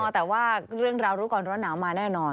แต่ว่าเรื่องราวรู้ก่อนร้อนหนาวมาแน่นอน